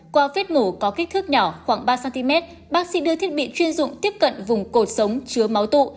qua vết mổ có kích thước nhỏ khoảng ba cm bác sĩ đưa thiết bị chuyên dụng tiếp cận vùng cột sống chứa máu tụ